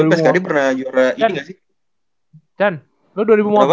pskad pernah juara ini gak sih